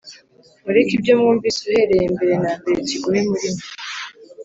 Mureke icyo mwumvise uhereye mbere na mbere kigume muri mwe